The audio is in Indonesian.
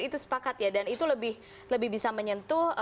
itu sepakat ya dan itu lebih bisa menyentuh